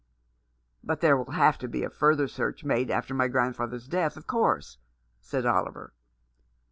"But there will have to be a further search made after my grandfather's death, of course," said Oliver.